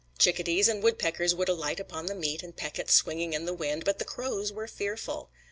Chickadees and woodpeckers would alight upon the meat and peck it swinging in the wind, but the crows were fearful.